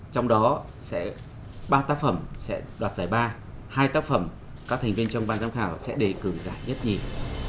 trong đó sẽ ba tác phẩm sẽ đoạt giải ba hai tác phẩm các thành viên trong quan giám khảo sẽ đề cử giải nhất nhìn